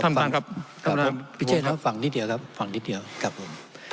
ท่านประธานครับครับผมพิเศษนะฟังนิดเดียวครับฟังนิดเดียวครับผม